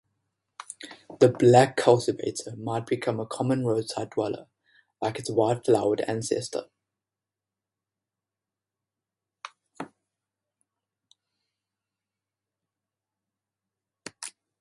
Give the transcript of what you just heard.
The black cultivar might become a common roadside dweller, like its white-flowered ancestor.